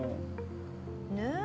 ねえ。